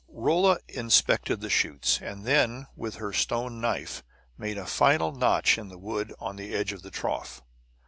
Rolla inspected the shoots, and then, with her stone knife, she made a final notch in the wood on the edge of the trough.